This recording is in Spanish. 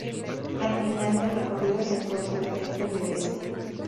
Al final del recorrido se encuentra el templo de Vesta